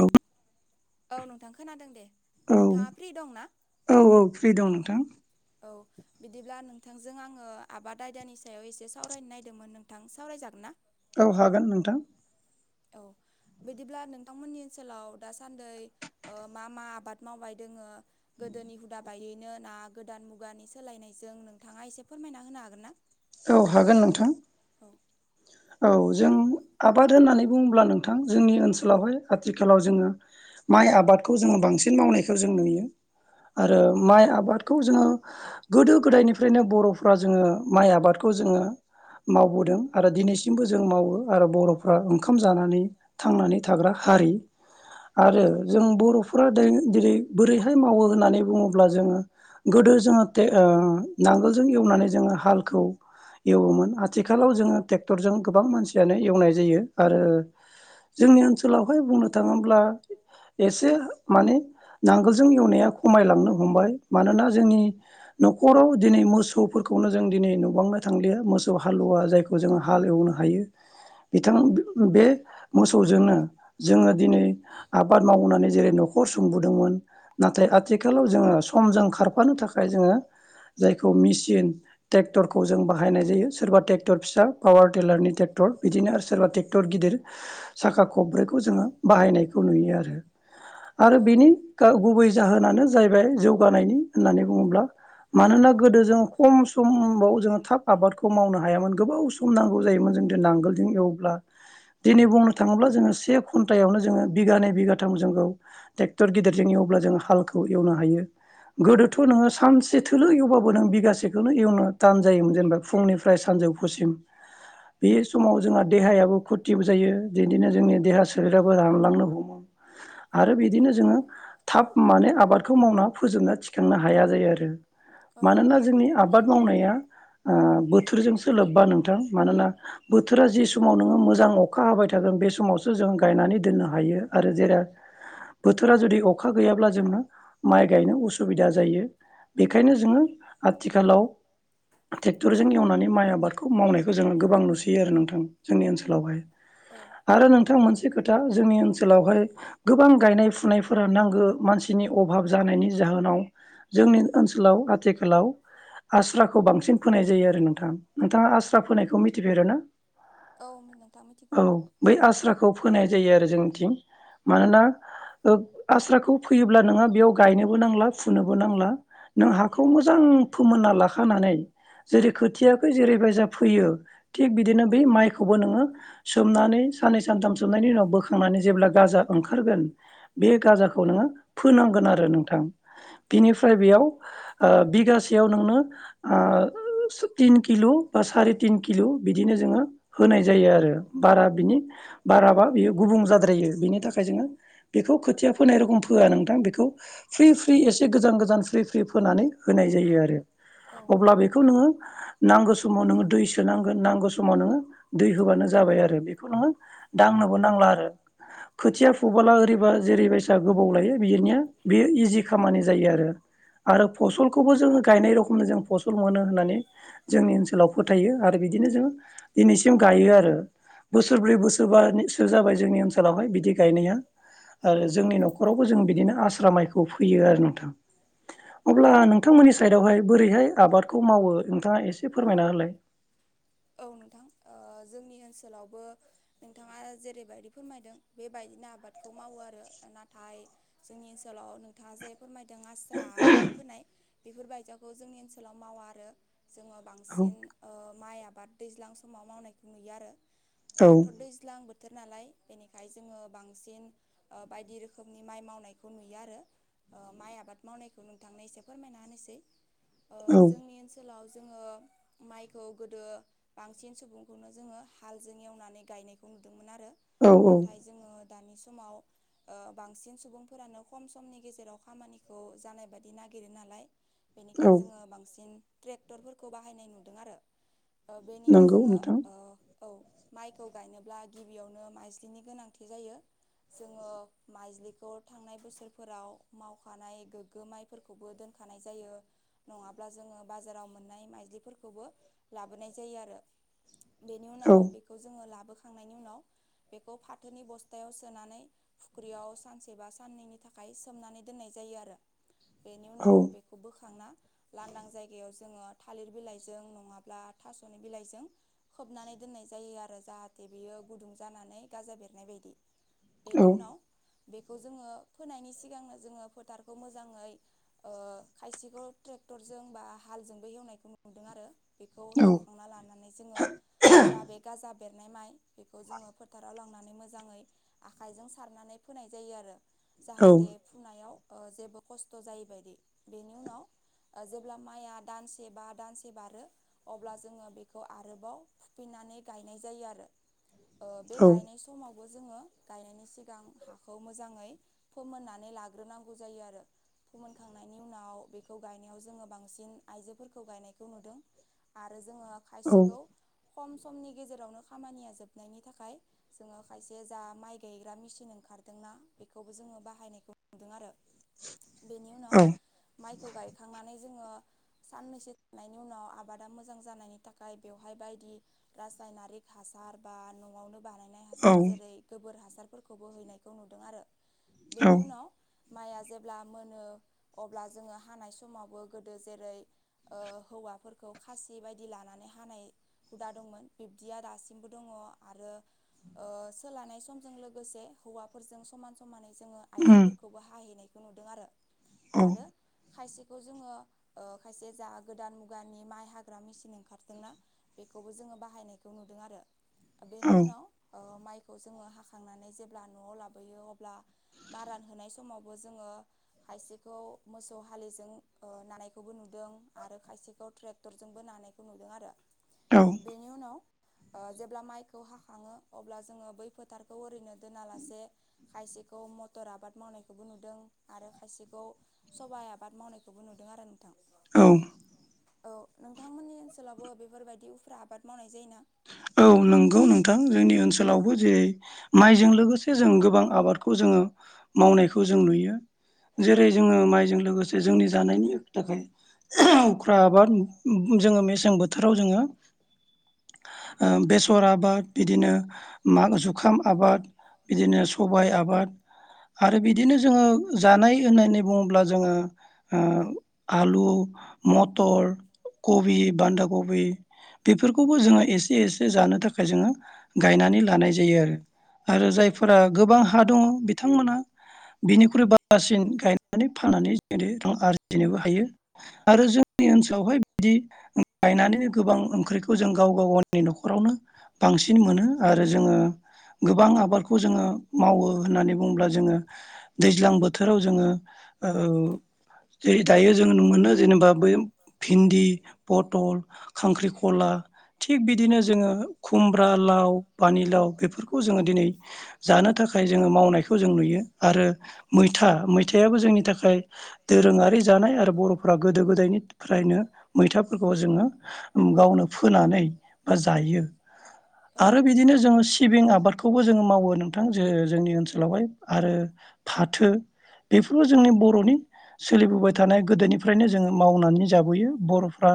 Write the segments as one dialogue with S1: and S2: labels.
S1: औ।
S2: औ नोंथां खोनादों दे।
S1: औ
S2: नोंथाङा फ्रि दंना
S1: औ औ फ्रि दं नोंथां।
S2: औ। बिदिब्ला नोंथांजों आङो आबाद आयदानि सायाव एसे सावरायनो नायदोंमोन नोंथां सावरायजागोन ना?
S1: औ हागोन नोंथां।
S2: औ। बिदिब्ला नोंथांमोननि ओनसोलाव दासान्दै ओ मा मा आबाद मावबाय दोङो। गोदोनि हुदा बायैनो ना गोदान मुगानि सोलायनायजों नोंथाङा एसे फोरमायना होनो हागोन ना?
S1: औ हागोन नोंथां।
S2: औ
S1: औ जों आबाद होननानै बुङोब्ला नोंथां जोंनि ओनसोलावहाय आथिखालाव जोङो माइ आबादखौ जोङो बांसिन मावनायखौ जों नुयो। आरो माइ आबादखौ जोङो गोदो गोदायनिफ्रायनो बर'फ्रा जोङो माइ आबादखौ खौ जोङो मावबोदों। आरो दिनैसिमबो जों मावो आरो बर'फ्रा ओंखाम जानानै थांनानै थाग्रा हारि।
S2: आरो
S1: आरो जों बर'फोरा जेरै बोरैहाय मावो होननानै बुङोब्ला जोङो गोदो जोङो खे नांगोलजों एवनानै जोङो हालखौ एवोमोन आथिखालाव जोङो ट्रेक्टरजों गोबां मानसियानो एवनाय जायो आरो जोंनि ओनसोलावहाय बुंनो थाङोब्ला एसे माने नांगोलजों एवनाया खमायलांनो हमबाय मानोना जोंनि न'खराव दिनै मोसौफोरखौ खौनो जों दिनै नुबांनो थांलिया मोसौ हालुवा जायखौ जोङो हाल एवनो हायो। बिथां बे मोसौजोंनो जोङो दिनै आबाद मावनानै जेरै न'खर सं बुंदोंमोन नाथाय आथिखालाव जोङो समजों खारफानो थाखाय जोङो जायखौ मेचिन ट्रेक्टरखौ जों बाहायनाय जायो सोरबा ट्रेक्टर। फिसा पावार टिलारनि टेक्टर बिदिनो आरो सोरबा टेक्टर साखा खबब्रैखौ जोङो बाहायनायखौ नुयो आरो। आरो
S2: औ
S1: बिनि गुबै जाहोनानो जाहैबाय जौगानायनि होननानै बुङोब्ला मानोना गोदो जोङो खम समाव जोङो थाब आबादखौ मावनो हायामोन। गोबाव सम नांगौ जायोमोन जोंनो नांगोलजों एवब्ला
S2: [inaudible]
S1: दिनै बुंनो थाङोब्ला जोङो से घन्टायावनो जोङो बिघानैै बिगाथाम जोंखौ ट्रेक्टर गिदिरजों एवब्ला जों हालखौ एवनो हायो। गोदोथ' नोङो सानसे थोलो एवबाबो नों बिगासेखौनो एवनो दान जायोमोन जेनेबा फुंनिफ्राय सानजौफु बे समाव जोंहा देहायाबो खुरथिबो जायो बिदिनो जोंनि देहा सोलेराबो रानलांनो हमो। आरो बिदिनो जोङो थाब माने आबादखौ मावना फोजोबना थिखांनो हाया जायो आरो।
S2: औ
S1: मानोना जोंनि आबाद मावनाया ओ बो [unintelligible] लोब्बा नोंथां मानोना बोथोरा जि समाव नोङो मोजां अखा हाबाय थागोन बे समावसो जों गायनानै। नानै दोननो हायो आरो जेराव बोथोरा जुदि अखा गैयाब्ला जोंनो माइ गायनो उसुबिदा जायो। बेखायनो जोङो आथिखालाव ट्रेक्टरजों एवनानै माइ आबा आबादखौ मावनायखौ जोङो गोबां नुसोयो आरो नोंथां जोंनि ओनसोलावहाय
S2: औ
S1: आरो नोंथां मोनसे खोथा जोंनि ओनसोलावहाय गोबां गायनाय फुनायफोरा नांगौ मानसि नि अभाब जानायनि जाहोनाव जोंनि ओनसोलाव आथिखालाव। आस्राखौ बांसिन फोनाय जायो आरो नोंथां, नोंथाङा आस्रा फोनायखौ मिथिफेरोना?
S2: औ नोंथां मिथिगौ
S1: औ बै आस्राखौ फोनाय जायो आरो जोंनिथिं मानोना ओ आस्राखौ फोयोब्ला नोंहा बेयाव गायनोबो नांला फुनोबो नांला नों हाखौ मोजां फोमोनना लाखानानै जेरै खोथियाखौ जेरैबायसा फैयो थिग बिदिनो बै माइखौबो नोङो सोमनानै साननै सानथाम सोमनाय बेनि उनाव बोखांनानै जेब्ला गाजा ओंखारगोन बे गाजाखौ नोङो फोनांगोन आरो नोंथां
S2: औ
S1: बिनिफ्राय बेयाव ओ बिगासेयाव नोंनो ओ तिन किल' बा साराय तिन किल' बिदिनो जोङो होनाय जायो आरो बारा बिनि बाराबा बियो गुबुं जाद्रायो बिनि थाखाय जोङो बेखौ खोथिया फोनाय रोखोम फोया नोंथां बेखौ फ्रि फ्रि एसे गोजान गोजान फ्रि फ्रि फोनानै होनाय जायो आरो
S2: औ
S1: अब्ला बेखौ नोङो नांगौ समाव नोङो दैसो नांगोन नांगौ समाव नोङो दै होबानो जाबाय आरो बेखौ नोङो दांनो नांला आरो खोथिया फुबला ओरैबा जेरै बायसाया गोबाव लायो बिनिया बेयो इजि खामानि जायो आरो आरो फसलखौबो जोङो गायनाय रखमनो जों फसल मोनो होननानै जोंनि ओनसोलाव फोथायो आरो बिदिनो जोङो दिनैसिम गायो आरो बोसोरब्रै बोसोरबानिसो जाबाय जोंनि ओनसोलावहाय बिदि गायनाया आरो जोंनि न'खरावबो जों बिदिनो आस्रा माइखौ फैयो आरो नोंथां अब्ला
S2: औ
S1: नोंथांमोननि साइदावहाय बोरैहाय आबादखौ मावो नोंथाङा एसे लाय
S2: औ नोंथां ओ जोंनि ओनसोलावबो नोंथाङा जेरैबायदि फोरमायदों बेबाय बिदिनो आबादखौ मावो आरो नाथाय जोंनि ओनसोलाव नोंथाङा जे फोरमायदों आस्रा फोनाय बेफोरबायजाखौ जोंनि ओनसोलाव मावा आरो जोङो
S1: औ
S2: बांसिन ओ माइ आबाद दैज्लां समाव मावनायखौ नुयो आरो
S1: औ
S2: दाथर दैज्लां बोथ थोर नालाय बेनिखाय जोङो बांसिन बायदि रोखोमनि माइ मावनायखौ नुयो आरो ओ माइ आबाद मावनायखौ नोंथांनो एसे फोरमायना होनोसै ओ
S1: औ
S2: जोंनि ओनसोलाव जोङो माइखौ गोदो बांसिन सुबुंखौनो जोङो हालजों एवनानै गायनायखौ नुदोंमोन आरो
S1: औ औ
S2: नाथाय जोङो दानि समाव ओ बांसिन सुबुंफोरानो खम समनि गेजेराव खामानिखौ जानाय बादि नागिर नागिरो नालाय
S1: औ
S2: बेनिखाय जोङो बांसिन ट्रेक्टरफोरखौ बाहायनाय नुदों आरो ओ बेनिनो
S1: नंगौ
S2: जोङो
S1: नोंथां
S2: ओ औ माइखौ गायनोब्ला गिबियावनो माज्लिनि गोनांथि जायो जोङो माइज्लिखौ थांनाय बोसोरफोराव मावखानाय गोग्गो माइफोरखौबो दोन खानाय जायो नङाब्ला जोङो बाजाराव मोननाय माइलिफोरखौबो लाबोनाय जा जायो आरो बेनि
S1: औ
S2: उनाव बेखौ जोङो लाबोखांनायनि उनाव बेखौ फाथोनि बस्थायाव सोनानै फुख्रियाव सानसे बा साननैनि थाखाय सोमनानै दोननाय जायो आरो बेनि
S1: औ
S2: उनाव बेखौ बोखांना लांदां जायगायाव जोङो थालिर बिलाइजों नङाब्ला थास'नि बिलाइजों खोबनानै दोननाय जायो आरो जाहाथे बियो गुदुं जानानै गाजा बेरनाय बायदि बेनि
S1: औ
S2: उनाव बेखौ जोङो फोनायनि सिगांनो जोङो फोथारखौ मोजाङै ओ खायसेखौ ट्रेक क्टरजों बा हालजोंबो एवनायखौ नुदों आरो बे खौ
S1: औ
S2: हेवखांना लानानै जोङो जा बे गाजा बेरनाय माइ बेखौ जोङो फोथाराव लांनानै नानै मोजाङै आखाइजों सारनानै फोनाय जायो आरो
S1: औ
S2: जाहाथे फुनायाव ओ जेबो खस्थ' जायैबायदि बेनि उनाव ओ जेब्ला माइया दानसे बा दानसे बारो अब्ला जोङो बेखौ आरोबाव फुफिन्नानै गायनाय जायो आरो ओ बे गायनाय समाव बो जोङो गायनायनि सिगां हाखौ मोजाङै फोमोननानै लाग्रोनांगौ जायो आरो फोमोनखांनायनि उनाव बेखौ गायनायाव जोङो बांसिन आइजोफोरखौ गायनायखौ नुदों आरो जोङो
S1: औ
S2: खायसेखौ खम समनि गेजेरावनो खामानिया जोबनायनि थाखाय जोङो खायसे जा माइ गायग्रा मेसिन ओंखार ओंखारदोंना बेखौबो जोङो बाहायनायखौ नुदों आरो बेनि उनाव
S1: औ
S2: माइखौ गायखांनानै जोङो साननैसोनायनि उनाव आबाद। दा मोजां जानायनि थाखाय बेवहाय बायदि रासायनारिक हासार बा न'आवनो बानाय। नाय हासार जेरै गोबोर हासारफोरखौबो हैनायखौ नुदों आरो
S1: औ
S2: बेनि उनाव। माइआ जेब्ला मोनो अब्ला जोङो हानाय समावबो गोदो जेरै ओ हौवाफोरखौ। खौ खासि बायदि लानानै हानाय हुदा दंमोन बिब्दिया दासिमबो दङ आरो। ओ सोलानाय समजों लोगोसे हौवाफोरजों समान समानै जोङो
S1: उम औ
S2: आइजोफोरखौबो हाहैनायखौ नुदों आरो आरो खायसे। खौ जोङो ओ खायसे जा गोदान मुगानि। नि माइ हाग्रा मेसिन ओंखारदोंना बेखौबो जोङो बाहायनायखौ नुदों आरो।
S1: औ
S2: बेनि उनाव ओ माइखौ जोङो हाखांनानै जेब्ला न'आव लाबोयो अब्ला मारान होनाय समावबो जोङो। खायसेखौ मोसौ हालिजों ओ नानायखौबो नुदों आरो खायसेखौ ट्रेक्टरजोंबो नानायखौ नुदों आरो बेनि उनाव ओ जेब्ला माइखौ हाखाङो अब्ला जोङो बै फोथारखौ ओरैनो दोनालासे खायसेखौ मटर आबाद मावनायखौबो नुदों आरो खायसेखौ सबाइ आबाद मावनायखौबो नुदों। आरो नोंथां।
S1: औ
S2: औ नोंथांमोननि ओनसोलावबो बेफोरबायदि उफ्रा आबाद मावनाय जायोना?
S1: औ नंगौ नोंथां जोंनि ओनसोलावबो जे माइजों लोगोसे जों गोबां आबादखौ जोङो मावनायखौ जों नुयो। जेरै जोङो माइजों लोगोसे जोंनि जानायनि थाखाय। उफ्रा आबाद जोङो मेसें बोथोराव जोङो
S2: [inaudible]
S1: ओ बेसर आबाद बिदिनो माग जु खाम आबाद बिदिनो सबाय आबाद। आरो बिदिनो जोङो जानाय लोंनाय होननानै बुङोब्ला जोङो। ओ आलु म टर कबि बान्दा कबि बेफोरखौबो जोङो। एसे एसे जानो थाखाय जोङो गायनानै लानाय जायो आरो। आरो
S2: औ
S1: जायफोरा गोबां हा दङ बिथांमोना बिनिख्रुइ बांसिन गायनानै फाननानै जेरै रां आरजिनोबो हायो आरो जोंनि ओनसोलावहाय। बिदि गायनानैनो गोबां ओंख्रिखौ जों गाव गाव गावनि न'खरावनो बांसिन मोनो आरो जोङो गोबां आबादखौ जोङो मावो होननानै बुङोब्ला जोङो दैज्लां बोथोराव जोङो ओ जेरै दायो जों मोनो जेनेबा बै भिन्दि, पथल, खांख्रिखला थिग बिदिनो जोङो खुमब्रा, लाव, पानिलाव बेफोरखौ जोङो दिनै जानो थाखाय‌। जोङो मावनायखौ जों नुयो आरो मैथा मैथायाबो जोंनि थाखाय दोरोङारि जा नाय आरो बर'फोरा गोदो गोदायनिफ्रायनो मैथाफोरखौ जोङो गावनो फोनानै बा जायो।
S2: औ
S1: आरो बिदिनो जोङो सिबिं आबादखौबो जोङो मावो नोंथां जे जोंनि ओनसोलावहाय आरो फाथो बेफोरबो जोंनि बर'नि सोलिबोबाय थानाय गोदोनिफ्रायनो जोङो मावनानै जाबोयो बर'फ्रा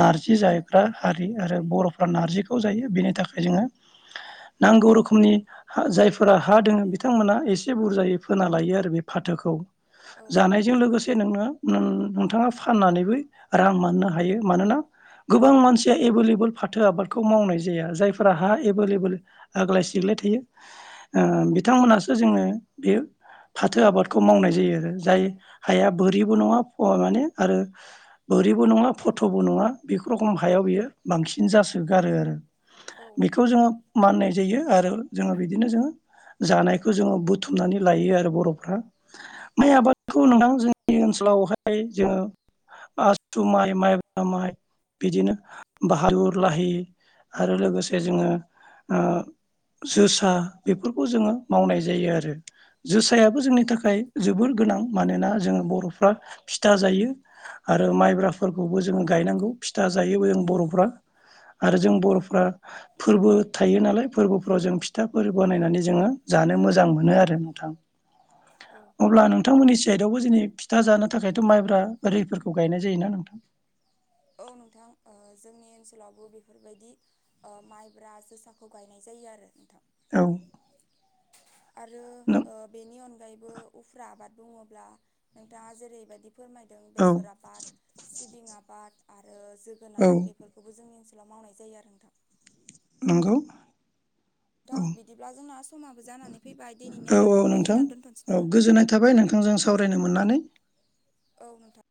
S1: नारजि जायग्रा हारि आरो बर नारजिखौ जायो बेनि थाखाय जोङो नांगौ रोखोमनि जायफोरा हा जोङो बिथांमोना एसे बुरजायै फोना लायो आरो बे फाथ थोखौ
S2: औ
S1: जानायजों लोगोसे नोंनो नों थाङा फाननानैबो रां मोननो हायो मानोना गोबां मानसिया एबोलेबोल। फाथो आबादखौ मावनाय जाया जायफोरा हा एबोलेबोल आग्लाय सिग्लाय थायो ओ बिथांमोन हासो जोङो बे फाथो आबादखौ मावनाय जायो आरो जाय हाया बोरिबो नङा माने आरो बोरिबो नङा फट'बो नङा बेफोर रखम हायाव बियो बांसिन जासोगारो आरो
S2: औ
S1: बेखौ जोङो माननाय जायो आरो जोङो बिदिनो जोङो जानायखौ जोङो बुथुमनानै लायो आरो बर'फ्रा माइ आबादखौ नोंथां जोंनि ओनसोलाव बेवहाय जोङो आसु माइ माइब्रा माइ बिदिनो बाहादुर लाहि आरो लोगोसे जोङो ओ जोसा बेफोरखौ जोङो मावनाय जायो आरो जोसायाबो
S2: औ
S1: जोंनि थाखाय जोबोर गोनां मानोना जोङो बर'फ्रा फिथा जायो आरो माइब्राफोरखौबो जोङो गायनांगौ फिथा जायोबो जों बर'फ्रा आरो जों
S2: औ
S1: बर'फ्रा फोर्बो थायो नालाय फोरबोफ्राव जों फिथाफोर बानायनानै जोङो जानो मोजां मोजां मोनो आरो नोंथां
S2: औ
S1: अब्ला नोंथांमोननि साइदआवबो जोंनि फिथा जानो थाखाय' माइ ब्रा ओरिफोरखौ गायनाय जायोना नोंथां?
S2: औ नोंथां ओ जोंनि ओनसोलावबो बेफोरबायदि माइब्रा जोसाखौ गायनाय जायो आरो नोंथां।
S1: औ।
S2: आरो
S1: नों
S2: बेनि अनगायैबो उफ्रा आबाद बुङोब्ला नोंथाङा जेरैबायदि। फोरमायदों
S1: औ
S2: बेसर आबाद सिबिं आबाद आरो
S1: औ
S2: जोगोनार बेफोरखौबो जोंनि ओनसो लाव मावनाय जायो आरो नोंथां।
S1: नंगौ।
S2: [inaudible] दा
S1: औ
S2: बिदिब्ला जोंना समाबो जानानै फैबाय दिनैनि
S1: औ
S2: आयदाखौ
S1: औ नोंथां।
S2: बेखिनियावनो दोन्थ'नोसै
S1: औ
S2: नामा?
S1: गोजोननाय थाबाय नोंथांजों सावरायनो मोननानै
S2: औ नोंथां।